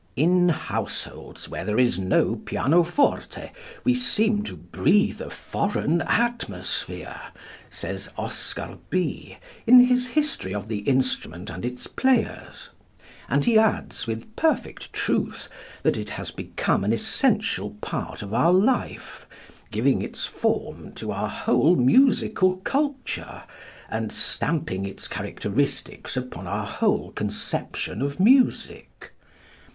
"In households where there is no pianoforte we seem to breathe a foreign atmosphere," says Oscar Bie, in his history of the instrument and its players; and he adds with perfect truth that it has become an essential part of our life, giving its form to our whole musical culture and stamping its characteristics upon our whole conception of music.